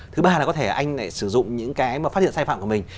thứ ba là có thể anh lại sử dụng những cái mà phát hiện sai phạm của mình